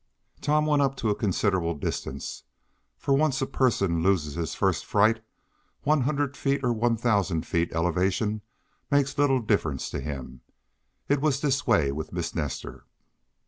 Tom went up to a considerable distance, for, once a person loses his first fright, one hundred feet or one thousand feet elevation makes little difference to him. It was this way with Miss Nestor.